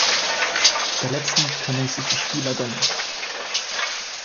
Verletzen können sich die Spieler dennoch.